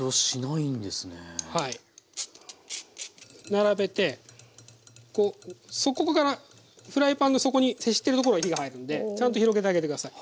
並べてこう底からフライパンの底に接してるところに火が入るんでちゃんと広げてあげて下さい。